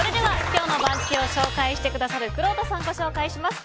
今日の番付を紹介してくださるくろうとさんをご紹介します。